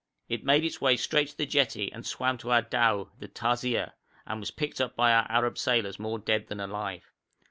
It made its way straight to the jetty and swam to our dhow, the Taisir, and was picked up by our Arab sailors more dead than alive.